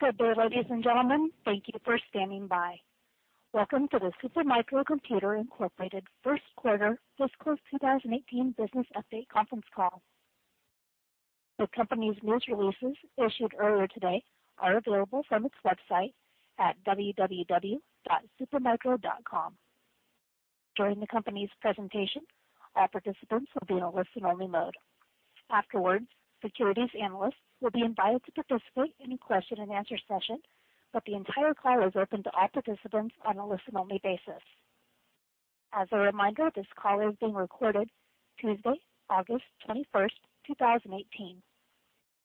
Good day, ladies and gentlemen. Thank you for standing by. Welcome to the Super Micro Computer, Inc. First Quarter Fiscal 2018 Business Update Conference Call. The company's news releases issued earlier today are available from its website at www.supermicro.com. During the company's presentation, all participants will be in a listen-only mode. Afterwards, securities analysts will be invited to participate in a question-and-answer session, but the entire call is open to all participants on a listen-only basis. As a reminder, this call is being recorded Tuesday, August 21, 2018.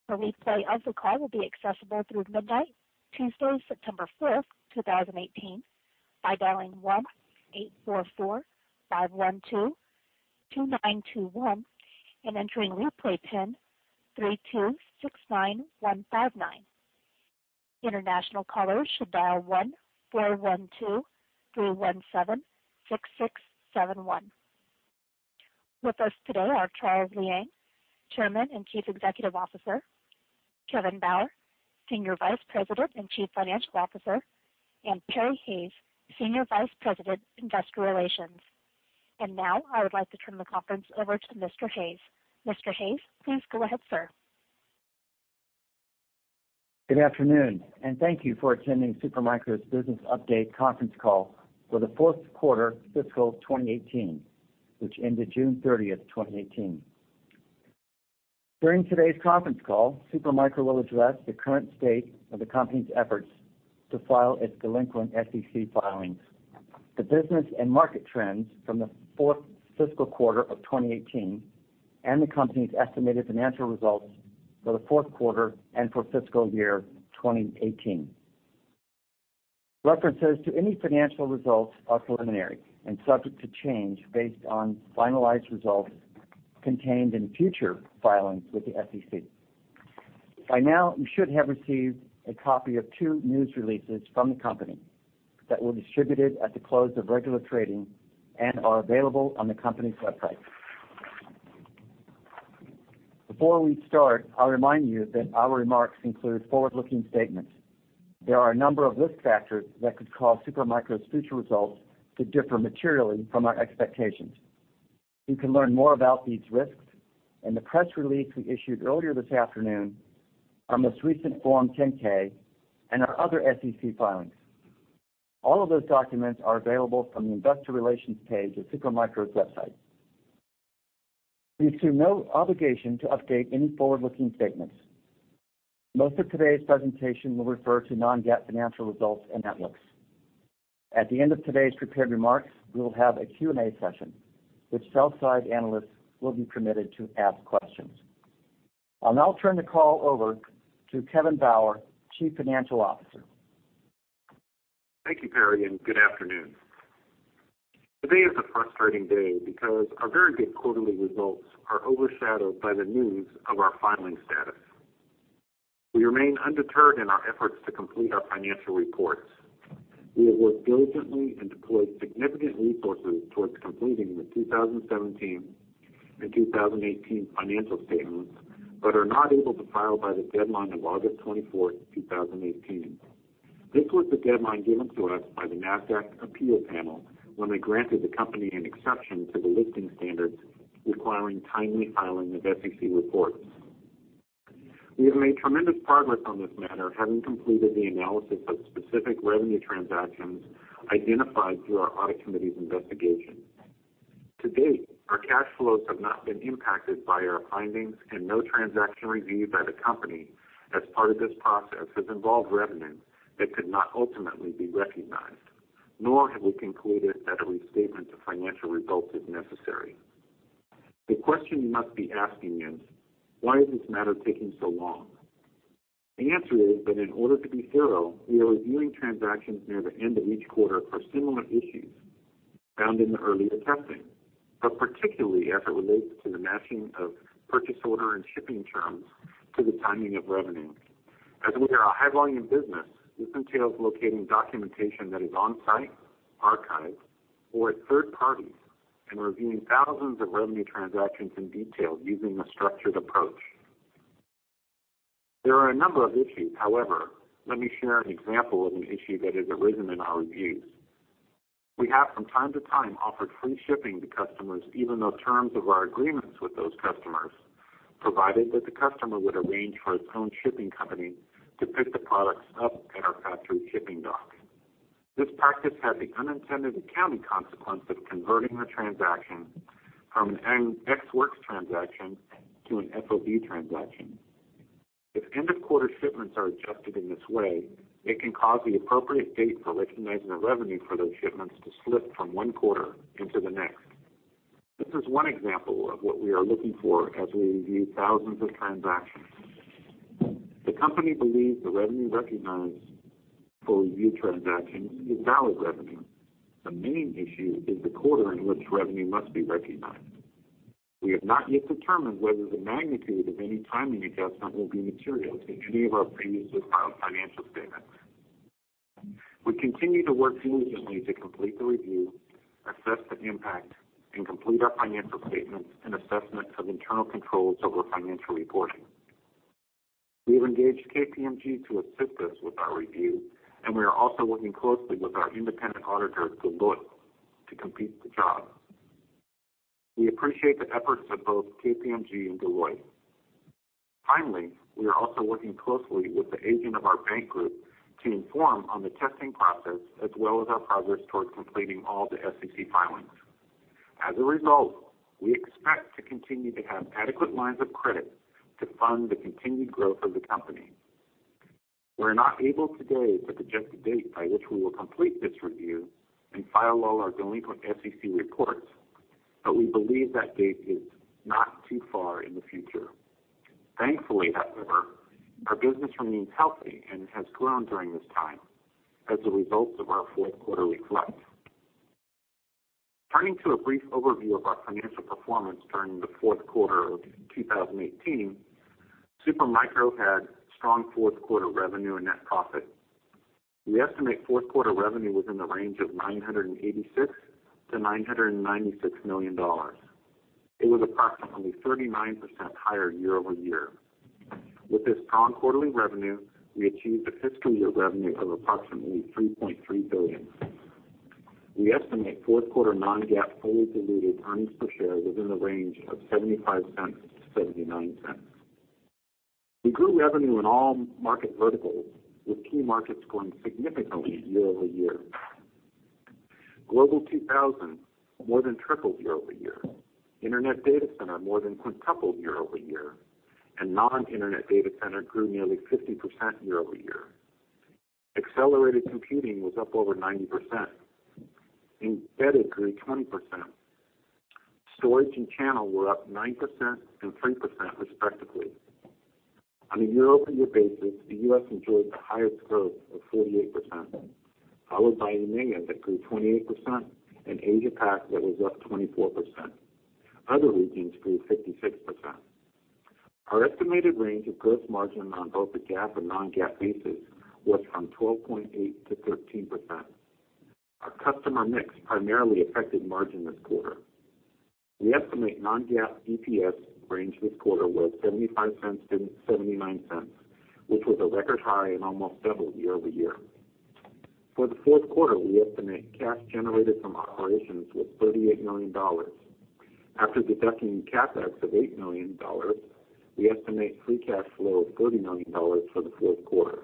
The replay of the call will be accessible through midnight, Tuesday, September 4, 2018 by dialing 1-844-512-2921 and entering replay PIN 3269159. International callers should dial 1-412-317-6671. With us today are Charles Liang, Chairman and Chief Executive Officer, Kevin Bauer, Senior Vice President and Chief Financial Officer, and Perry Hayes, Senior Vice President, Investor Relations. Now I would like to turn the conference over to Mr. Hayes. Mr. Hayes, please go ahead, sir. Good afternoon, thank you for attending Super Micro's business update conference call for the fourth quarter fiscal 2018, which ended June 30, 2018. During today's conference call, Super Micro will address the current state of the company's efforts to file its delinquent SEC filings, the business and market trends from the fourth fiscal quarter of 2018, and the company's estimated financial results for the fourth quarter and for fiscal year 2018. References to any financial results are preliminary and subject to change based on finalized results contained in future filings with the SEC. By now, you should have received a copy of two news releases from the company that were distributed at the close of regular trading and are available on the company's website. Before we start, I'll remind you that our remarks include forward-looking statements. There are a number of risk factors that could cause Super Micro's future results to differ materially from our expectations. You can learn more about these risks in the press release we issued earlier this afternoon, our most recent Form 10-K, and our other SEC filings. All of those documents are available from the investor relations page of Super Micro's website. We assume no obligation to update any forward-looking statements. Most of today's presentation will refer to non-GAAP financial results and net leaks. At the end of today's prepared remarks, we will have a Q&A session, which sell-side analysts will be permitted to ask questions. I'll now turn the call over to Kevin Bauer, Chief Financial Officer. Thank you, Perry, and good afternoon. Today is a frustrating day because our very good quarterly results are overshadowed by the news of our filing status. We remain undeterred in our efforts to complete our financial reports. We have worked diligently and deployed significant resources towards completing the 2017 and 2018 financial statements, but are not able to file by the deadline of August 24th, 2018. This was the deadline given to us by the Nasdaq appeal panel when they granted the company an exception to the listing standards requiring timely filing of SEC reports. We have made tremendous progress on this matter, having completed the analysis of specific revenue transactions identified through our audit committee's investigation. To date, our cash flows have not been impacted by our findings, and no transaction reviewed by the company as part of this process has involved revenue that could not ultimately be recognized, nor have we concluded that a restatement of financial results is necessary. The question you must be asking is, why is this matter taking so long? The answer is that in order to be thorough, we are reviewing transactions near the end of each quarter for similar issues found in the earlier testing, but particularly as it relates to the matching of purchase order and shipping terms to the timing of revenue. As we are a high-volume business, this entails locating documentation that is on-site, archived, or at third parties, and reviewing thousands of revenue transactions in detail using a structured approach. There are a number of issues. Let me share an example of an issue that has arisen in our reviews. We have from time to time offered free shipping to customers, even though terms of our agreements with those customers provided that the customer would arrange for its own shipping company to pick the products up at our factory shipping dock. This practice had the unintended accounting consequence of converting the transaction from an Ex Works transaction to an FOB transaction. If end-of-quarter shipments are adjusted in this way, it can cause the appropriate date for recognizing the revenue for those shipments to slip from one quarter into the next. This is one example of what we are looking for as we review thousands of transactions. The company believes the revenue recognized for reviewed transactions is valid revenue. The main issue is the quarter in which revenue must be recognized. We have not yet determined whether the magnitude of any timing adjustment will be material to any of our previously filed financial statements. We continue to work diligently to complete the review, assess the impact, and complete our financial statements and assessment of internal controls over financial reporting. We have engaged KPMG to assist us with our review, and we are also working closely with our independent auditors, Deloitte, to complete the job. We appreciate the efforts of both KPMG and Deloitte. We are also working closely with the agent of our bank group to inform on the testing process as well as our progress towards completing all the SEC filings. As a result, we expect to continue to have adequate lines of credit to fund the continued growth of the company. We're not able today to suggest a date by which we will complete this review and file all our delinquent SEC reports, but we believe that date is not too far in the future. Thankfully, however, our business remains healthy and has grown during this time as a result of our fourth quarter filing. Turning to a brief overview of our financial performance during the fourth quarter of 2018, Super Micro had strong fourth quarter revenue and net profit. We estimate fourth quarter revenue was in the range of $986 million-$996 million. It was approximately 39% higher year-over-year. With this strong quarterly revenue, we achieved a fiscal year revenue of approximately $3.3 billion. We estimate fourth quarter non-GAAP fully diluted earnings per share within the range of $0.75-$0.79. We grew revenue in all market verticals, with key markets growing significantly year-over-year. Global 2000 more than tripled year-over-year. Internet data center more than quintupled year-over-year. Non-internet data center grew nearly 50% year-over-year. Accelerated computing was up over 90%. Embedded grew 20%. Storage and channel were up 9% and 3% respectively. On a year-over-year basis, the U.S. enjoyed the highest growth of 48%, followed by EMEA that grew 28%, Asia PAC that was up 24%. Other regions grew 56%. Our estimated range of gross margin on both the GAAP and non-GAAP basis was from 12.8%-13%. Our customer mix primarily affected margin this quarter. We estimate non-GAAP EPS range this quarter was $0.75-$0.79, which was a record high and almost double year-over-year. For the fourth quarter, we estimate cash generated from operations was $38 million. After deducting CapEx of $8 million, we estimate free cash flow of $30 million for the fourth quarter.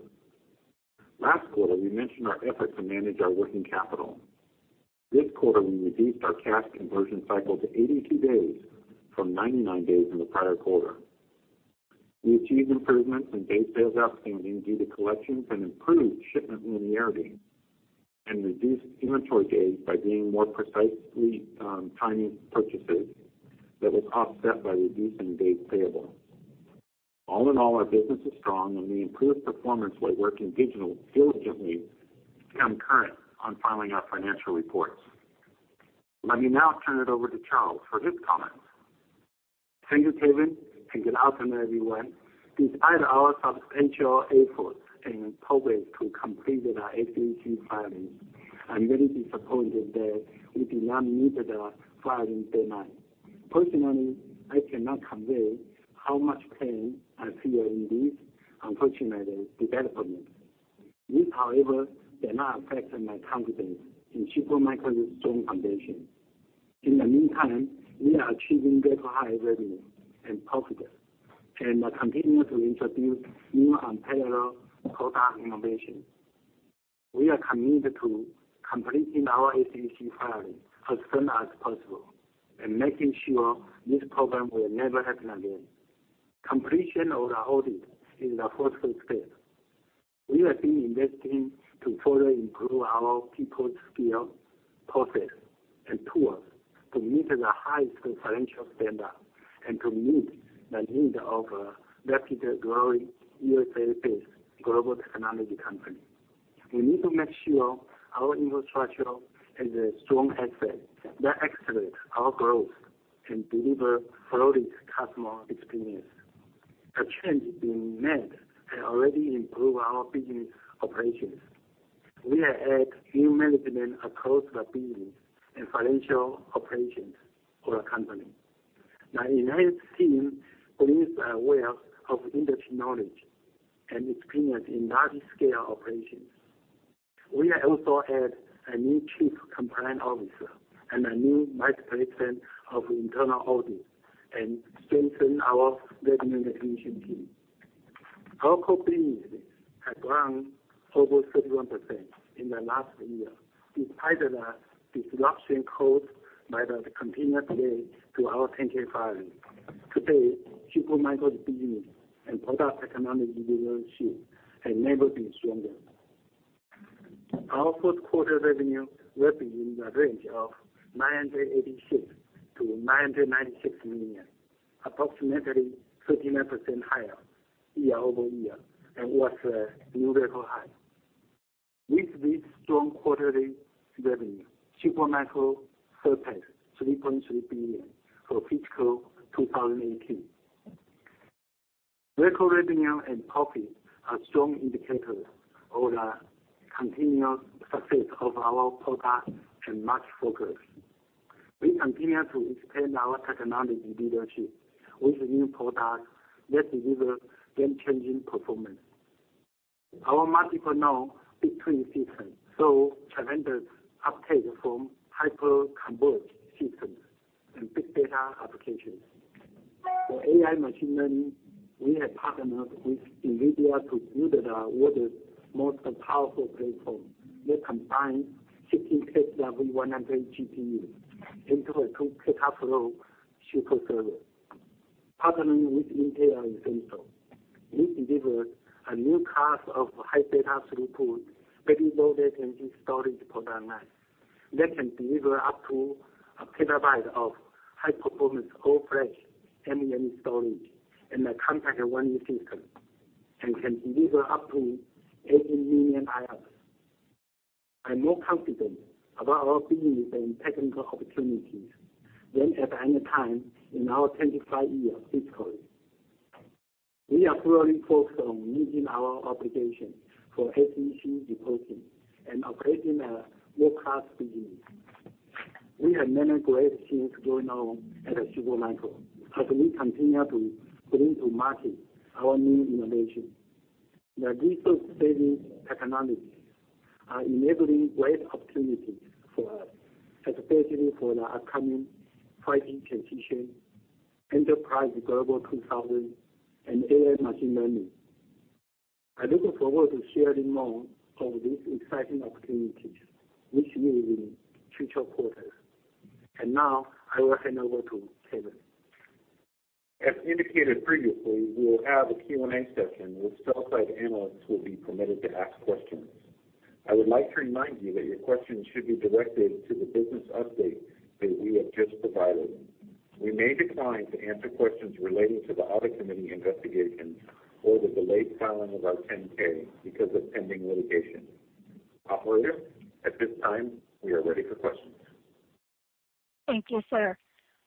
Last quarter, we mentioned our effort to manage our working capital. This quarter, we reduced our cash conversion cycle to 82 days from 99 days in the prior quarter. We achieved improvements in day sales outstanding due to collections and improved shipment linearity and reduced inventory days by being more precisely timing purchases that was offset by reducing days payable. All in all, our business is strong, and we improved performance while working diligently to become current on filing our financial reports. Let me now turn it over to Charles for his comments. Thank you, Kevin, and good afternoon, everyone. Despite our substantial efforts and progress to completing our SEC filings, I'm very disappointed that we did not meet the filing deadline. Personally, I cannot convey how much pain I feel in this unfortunate development. This, however, did not affect my confidence in Super Micro's strong foundation. In the meantime, we are achieving record high revenue and profit and are continuing to introduce new unparalleled product innovation. We are committed to completing our SEC filings as soon as possible and making sure this problem will never happen again. Completion of the audit is the first step. We have been investing to further improve our people's skills, process, and tools to meet the highest financial standard and to meet the needs of a rapidly growing USA-based global technology company. We need to make sure our infrastructure has a strong effect that accelerates our growth and deliver flawless customer experience. A change is being made and already improve our business operations. We have added new management across the business and financial operations of the company. My enhanced team brings a wealth of industry knowledge and experience in large scale operations. We have also added a new chief compliance officer and a new vice president of internal audit and strengthen our revenue recognition team. Our core business has grown over 31% in the last year, despite the disruption caused by the continued delay to our 10-K filing. To date, Super Micro's business and product technological leadership has never been stronger. Our fourth quarter revenue was in the range of $986 million-$996 million, approximately 39% higher year-over-year and was a new record high. With this strong quarterly revenue, Super Micro surpassed $3.3 billion for fiscal 2018. Record revenue and profit are strong indicators of the continuous success of our products and market focus. We continue to expand our technology leadership with new products that deliver game-changing performance. Our multiple node BigTwin system saw tremendous uptake from hyper-converged systems and big data applications. For AI machine learning, we have partnered with NVIDIA to build the world's most powerful platform that combines 16 Tesla V100 GPUs into a 2 petaFLOPS super server. Partnering with Intel, we delivered a new class of high data throughput, very low latency storage product line that can deliver up to a petabyte of high-performance all-flash NVMe storage in a compact 1U system, and can deliver up to 18 million IOPS. I am more confident about our business and technical opportunities than at any time in our 25-year history. We are fully focused on meeting our obligations for SEC reporting and operating a world-class business. We have many great things going on at Super Micro as we continue to bring to market our new innovations. The resource-saving technologies are enabling great opportunities for us, especially for the upcoming 5G transition, Enterprise Global 2000, and AI machine learning. I look forward to sharing more of these exciting opportunities with you in future quarters. Now, I will hand over to Kevin. As indicated previously, we will have a Q&A session where sell-side analysts will be permitted to ask questions. I would like to remind you that your questions should be directed to the business update that we have just provided. We may decline to answer questions relating to the audit committee investigation or the delayed filing of our 10-K because of pending litigation. Operator, at this time, we are ready for questions. Thank you, sir.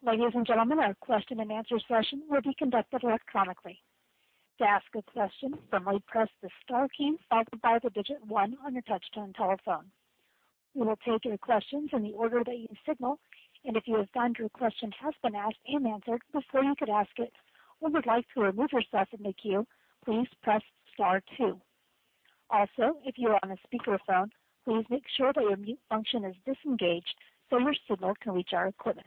Ladies and gentlemen, our question and answer session will be conducted electronically. To ask a question, firmly press the star key followed by the digit 1 on your touchtone telephone. We will take your questions in the order that you signal, and if you have found your question has been asked and answered before you could ask it, or would like to remove yourself from the queue, please press star 2. Also, if you are on a speakerphone, please make sure that your mute function is disengaged so your signal can reach our equipment.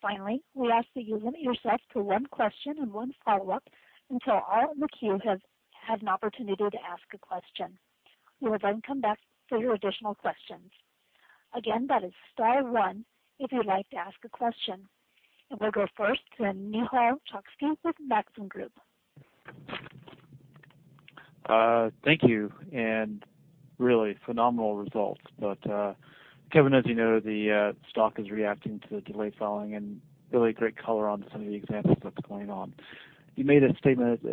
Finally, we ask that you limit yourself to 1 question and 1 follow-up until all in the queue have had an opportunity to ask a question. We will come back for your additional questions. Again, that is star 1 if you'd like to ask a question. We'll go first to Nehal Chokshi with Maxim Group. Thank you, really phenomenal results. Kevin, as you know, the stock is reacting to the delayed filing and really great color on some of the examples that's going on. You made a statement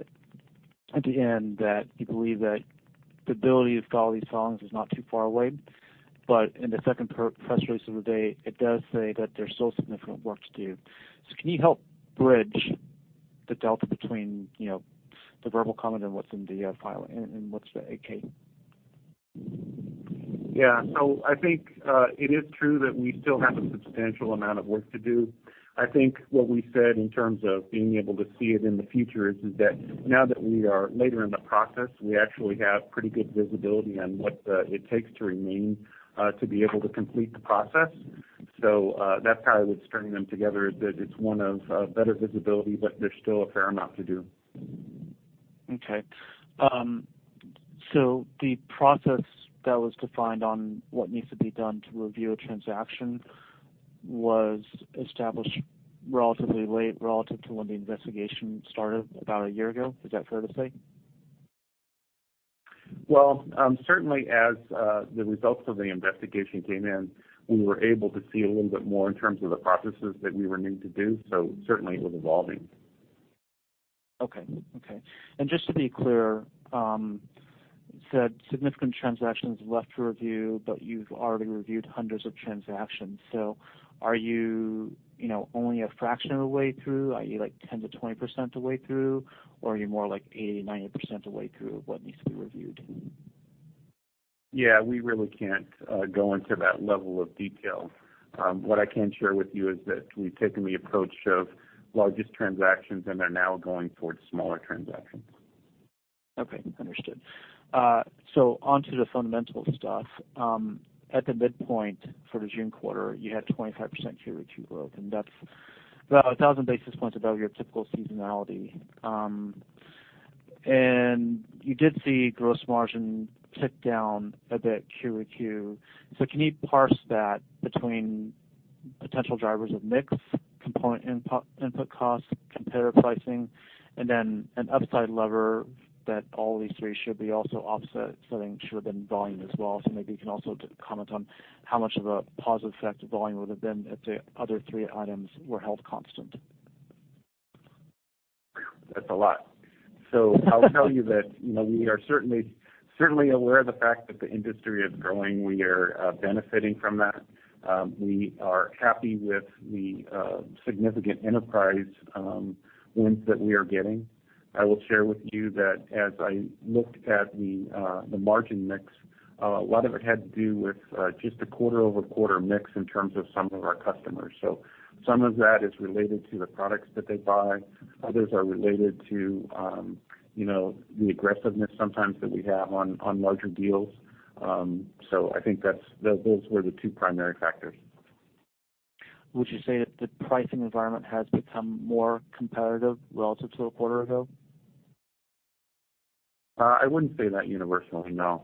at the end that you believe that the ability of filing these filings is not too far away, but in the 2nd press release of the day, it does say that there's still significant work to do. Can you help bridge the delta between the verbal comment and what's in the filing and what's the 10-K? Yeah. I think it is true that we still have a substantial amount of work to do. I think what we said in terms of being able to see it in the future is that now that we are later in the process, we actually have pretty good visibility on what it takes to remain to be able to complete the process. That's how I would string them together, is that it's 1 of better visibility, but there's still a fair amount to do. Okay. The process that was defined on what needs to be done to review a transaction was established relatively late relative to when the investigation started about a year ago. Is that fair to say? Well, certainly as the results of the investigation came in, we were able to see a little bit more in terms of the processes that we were needing to do, so certainly it was evolving. Okay. Just to be clear, you said significant transactions left to review, you've already reviewed hundreds of transactions. Are you only a fraction of the way through? Are you 10%-20% the way through? Are you more like 80%, 90% the way through of what needs to be reviewed? Yeah, we really can't go into that level of detail. What I can share with you is that we've taken the approach of largest transactions and are now going towards smaller transactions. Okay, understood. On to the fundamental stuff. At the midpoint for the June quarter, you had 25% Q over Q growth, and that's about 1,000 basis points above your typical seasonality. You did see gross margin tick down a bit Q over Q. Can you parse that between potential drivers of mix, component input cost, competitor pricing, and then an upside lever that all these three should be also offset, I think should have been volume as well. Maybe you can also comment on how much of a positive effect volume would have been if the other three items were held constant. Whew. That's a lot. I'll tell you that we are certainly aware of the fact that the industry is growing. We are benefiting from that. We are happy with the significant enterprise wins that we are getting. I will share with you that as I looked at the margin mix, a lot of it had to do with just a quarter-over-quarter mix in terms of some of our customers. Some of that is related to the products that they buy. Others are related to the aggressiveness sometimes that we have on larger deals. I think those were the two primary factors. Would you say that the pricing environment has become more competitive relative to a quarter ago? I wouldn't say that universally, no.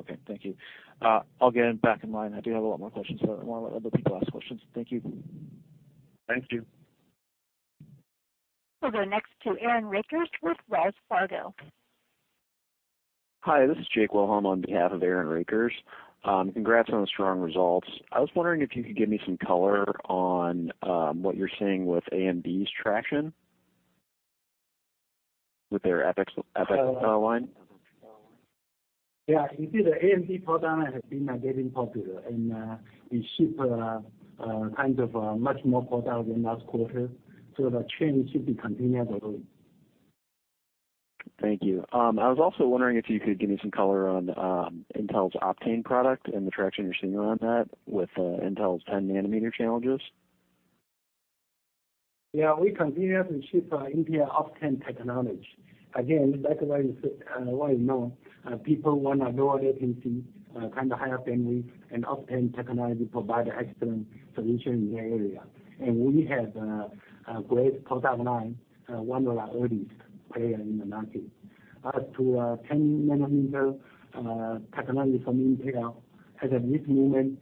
Okay. Thank you. I'll get back in line. I do have a lot more questions, but I want to let other people ask questions. Thank you. Thank you. We'll go next to Aaron Rakers with Wells Fargo. Hi, this is Jake Wilhelm on behalf of Aaron Rakers. Congrats on the strong results. I was wondering if you could give me some color on what you're seeing with AMD's traction with their EPYC power line. You see the AMD product has been getting popular, and we ship kinds of much more product than last quarter. The trend should be continuing. Thank you. I was also wondering if you could give me some color on Intel's Optane product and the traction you're seeing around that with Intel's 10 nanometer challenges. We continue to ship Intel Optane technology. Again, back to what you know, people want a lower latency, higher bandwidth. Optane technology provide excellent solution in that area. We have a great product line, one of the earliest player in the market. As to 10 nanometer technology from Intel, as of this moment,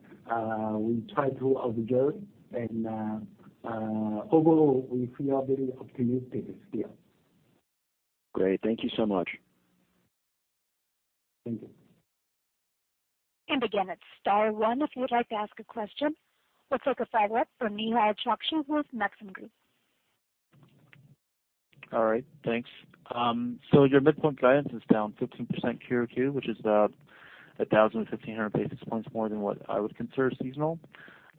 we try to observe, overall, we feel very optimistic still. Great. Thank you so much. Thank you. Again, it's star one if you would like to ask a question. Let's go to the phone line for Nehal Chokshi with Maxim Group. All right. Thanks. Your midpoint guidance is down 15% quarter-over-quarter, which is 1,000, 1,500 basis points more than what I would consider seasonal.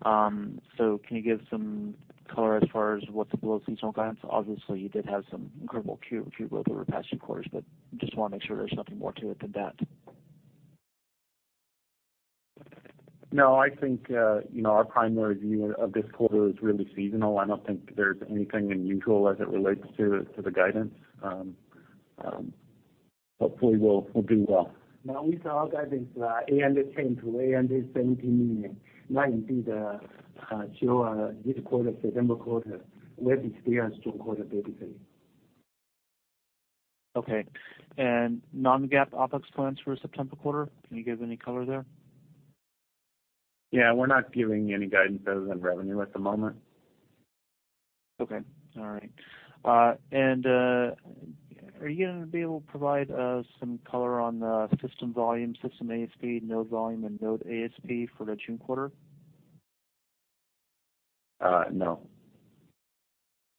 Can you give some color as far as what's below seasonal guidance? Obviously, you did have some incredible quarter-over-quarter growth over the past few quarters, but just want to make sure there's nothing more to it than that. No, I think our primary view of this quarter is really seasonal. I don't think there's anything unusual as it relates to the guidance. Hopefully we'll do well. We saw guidance end of Q2, end of 2017, indeed show this quarter, September quarter, will be still a strong quarter basically. Okay. non-GAAP OpEx plans for September quarter, can you give any color there? Yeah. We're not giving any guidance other than revenue at the moment. Okay. All right. Are you going to be able to provide us some color on the system volume, system ASP, node volume, and node ASP for the June quarter? No.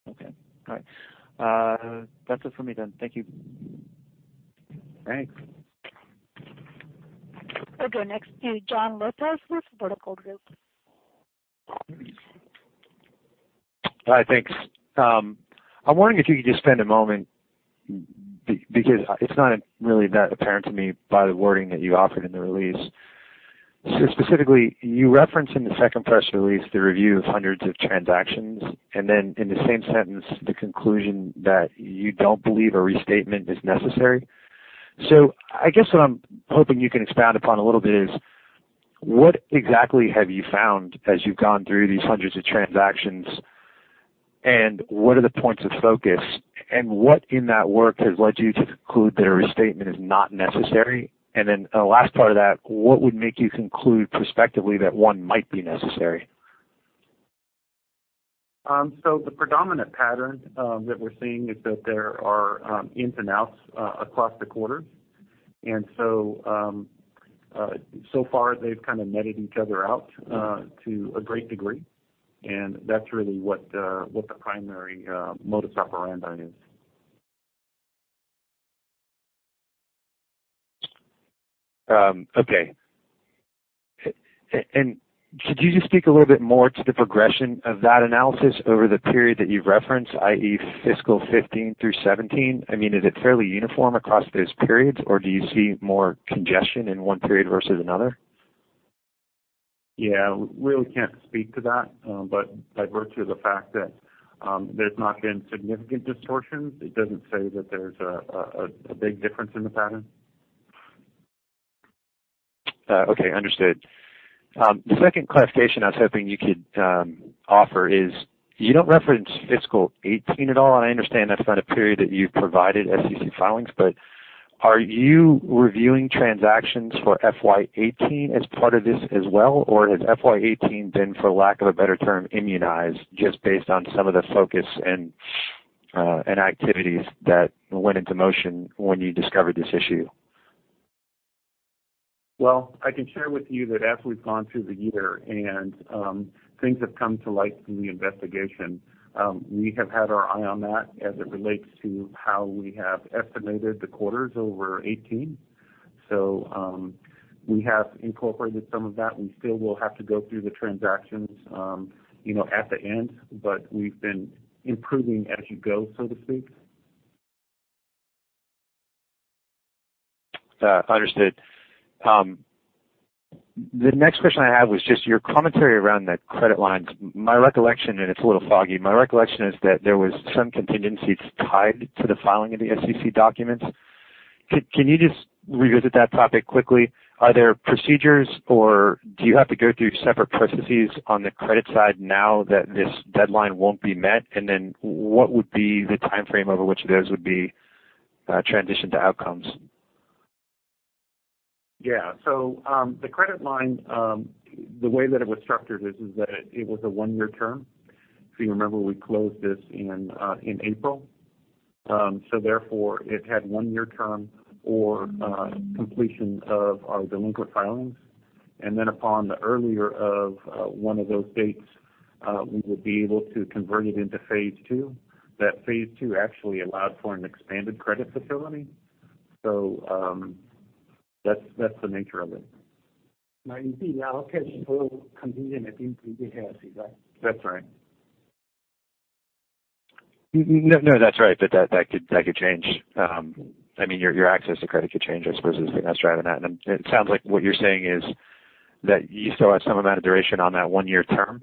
Okay. All right. That's it for me then. Thank you. Thanks. I'll go next to Jon Lopez with Vertical Group. Hi. Thanks. I'm wondering if you could just spend a moment, because it's not really that apparent to me by the wording that you offered in the release. Specifically, you reference in the second press release the review of hundreds of transactions, then in the same sentence, the conclusion that you don't believe a restatement is necessary. I guess what I'm hoping you can expound upon a little bit is, what exactly have you found as you've gone through these hundreds of transactions, and what are the points of focus, and what in that work has led you to conclude that a restatement is not necessary? Then the last part of that, what would make you conclude prospectively that one might be necessary? The predominant pattern that we're seeing is that there are ins and outs across the quarters. So far, they've kind of netted each other out to a great degree, and that's really what the primary modus operandi is. Okay. Could you just speak a little bit more to the progression of that analysis over the period that you referenced, i.e., fiscal 2015 through 2017? I mean, is it fairly uniform across those periods, or do you see more congestion in one period versus another? Yeah. Really can't speak to that. By virtue of the fact that there's not been significant distortions, it doesn't say that there's a big difference in the pattern. Okay. Understood. The second clarification I was hoping you could offer is, you don't reference fiscal 2018 at all, and I understand that's not a period that you've provided SEC filings, but are you reviewing transactions for FY 2018 as part of this as well, or has FY 2018 been, for lack of a better term, immunized just based on some of the focus and activities that went into motion when you discovered this issue? Well, I can share with you that as we've gone through the year and things have come to light from the investigation, we have had our eye on that as it relates to how we have estimated the quarters over 2018. We have incorporated some of that. We still will have to go through the transactions at the end, but we've been improving as you go, so to speak. Understood. The next question I had was just your commentary around the credit lines. My recollection, and it's a little foggy, my recollection is that there was some contingencies tied to the filing of the SEC documents. Can you just revisit that topic quickly? Are there procedures, or do you have to go through separate processes on the credit side now that this deadline won't be met? What would be the timeframe over which those would be transitioned to outcomes? Yeah. The credit line, the way that it was structured is that it was a one-year term. If you remember, we closed this in April. Therefore, it had one-year term or completion of our delinquent filings. Upon the earlier of one of those dates, we would be able to convert it into phase two. That phase two actually allowed for an expanded credit facility. That's the nature of it. contingent. That's right. No, that's right. That could change. Your access to credit could change, I suppose, is what's driving that. It sounds like what you're saying is that you still have some amount of duration on that one-year term?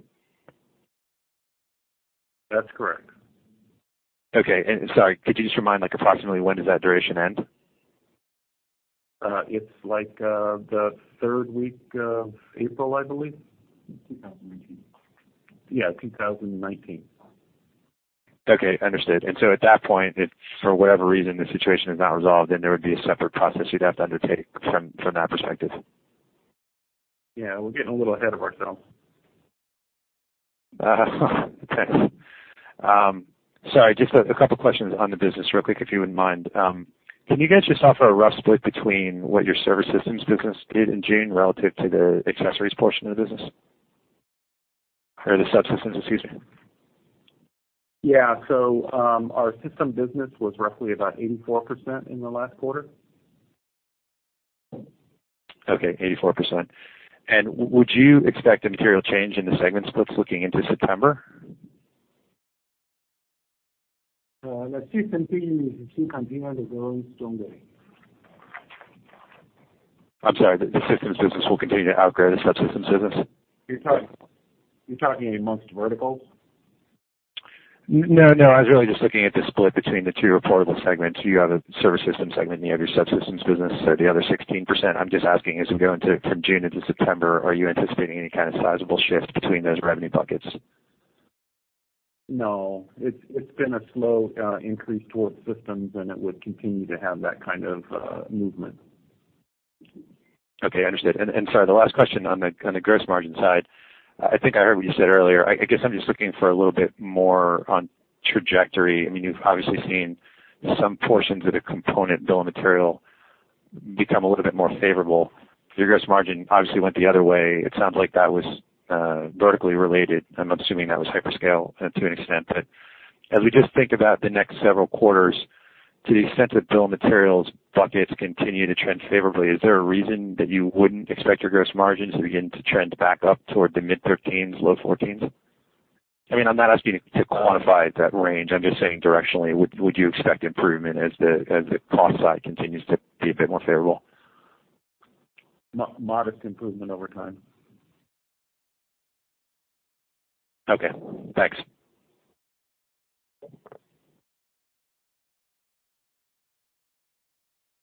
That's correct. Okay. Sorry, could you just remind, approximately when does that duration end? It's like the third week of April, I believe. 2019. Yeah, 2019. Okay, understood. At that point, if for whatever reason the situation is not resolved, then there would be a separate process you'd have to undertake from that perspective. Yeah, we're getting a little ahead of ourselves. Thanks. Sorry, just a couple of questions on the business real quick, if you wouldn't mind. Can you guys just offer a rough split between what your server systems business did in June relative to the accessories portion of the business? Or the subsystems, excuse me. Yeah. Our system business was roughly about 84% in the last quarter. Okay, 84%. Would you expect a material change in the segment splits looking into September? The system business will continue to grow strongly. I'm sorry, the systems business will continue to outgrow the subsystems business? You're talking amongst verticals? No, I was really just looking at the split between the two reportable segments. You have a server system segment, and you have your subsystems business. The other 16%, I'm just asking, as we go into from June into September, are you anticipating any kind of sizable shift between those revenue buckets? No. It's been a slow increase towards systems, and it would continue to have that kind of movement. Okay, understood. Sorry, the last question on the gross margin side. I think I heard what you said earlier. I guess I'm just looking for a little bit more on trajectory. You've obviously seen some portions of the component bill of material become a little bit more favorable. Your gross margin obviously went the other way. It sounds like that was vertically related. I'm assuming that was hyperscale to an extent. As we just think about the next several quarters, to the extent that bill of materials buckets continue to trend favorably, is there a reason that you wouldn't expect your gross margins to begin to trend back up toward the mid-thirteens, low fourteens? I'm not asking you to quantify that range. I'm just saying directionally, would you expect improvement as the cost side continues to be a bit more favorable? Modest improvement over time. Okay, thanks.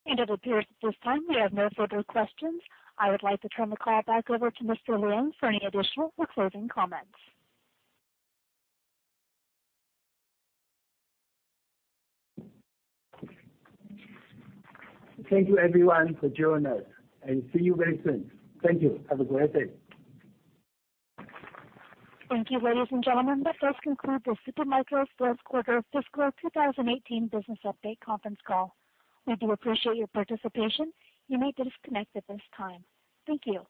It appears at this time we have no further questions. I would like to turn the call back over to Mr. Liang for any additional or closing comments. Thank you everyone for joining us, and see you very soon. Thank you. Have a great day. Thank you, ladies and gentlemen. That does conclude the Supermicro's fourth quarter fiscal 2018 business update conference call. We do appreciate your participation. You may disconnect at this time. Thank you.